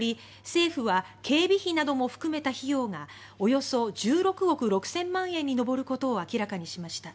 政府は警備費なども含めた費用がおよそ１６億６０００万円に上ることを明らかにしました。